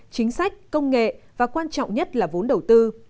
chính sách công nghệ và quan trọng nhất là vốn đầu tư